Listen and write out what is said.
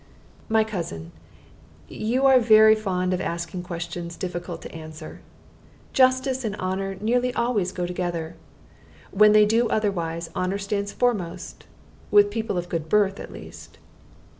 "My cousin, you are fond of asking questions difficult to answer. Justice and honor nearly always go together. When they do otherwise, honor stands foremost, with people of good birth, at least."